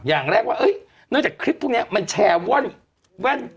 อย่างแรกว่าเนื่องจากคลิปพวกนี้มันแชร์ว่อนแว่น